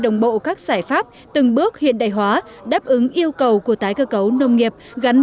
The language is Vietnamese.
đồng bộ các giải pháp từng bước hiện đại hóa đáp ứng yêu cầu của tái cơ cấu nông nghiệp gắn